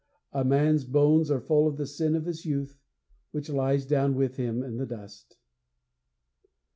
_A man's bones are full of the sin of his youth, which lies down with him in the dust!